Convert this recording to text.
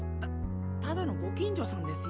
「ただのご近所さんですよ」